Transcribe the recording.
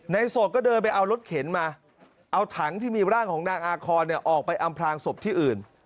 โสดก็เดินไปเอารถเข็นมาเอาถังที่มีร่างของนางอาคอนออกไปอำพลางศพที่อื่น